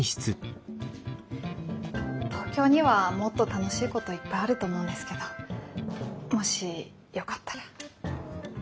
東京にはもっと楽しいこといっぱいあると思うんですけどもしよかったら。